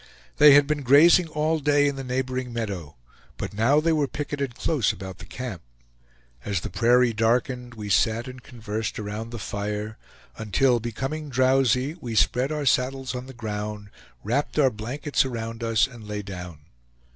They had been grazing all day in the neighboring meadow, but now they were picketed close about the camp. As the prairie darkened we sat and conversed around the fire, until becoming drowsy we spread our saddles on the ground, wrapped our blankets around us and lay down.